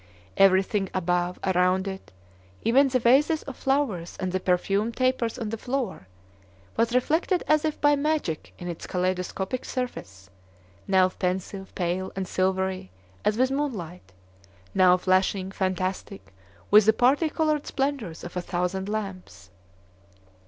Everything above, around it, even the vases of flowers and the perfumed tapers on the floor, was reflected as if by magic in its kaleidoscopic surface, now pensive, pale, and silvery as with moonlight, now flashing, fantastic, with the party colored splendors of a thousand lamps.